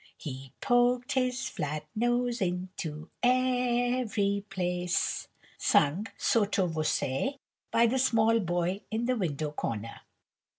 "'He poked his flat nose into every place;'" sung, sotto voce, by the small boy in the window corner.